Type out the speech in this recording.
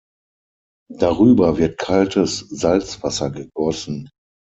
Darüber wird kaltes Salzwasser gegossen.